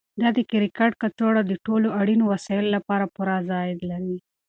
دا د کرکټ کڅوړه د ټولو اړینو وسایلو لپاره پوره ځای لري.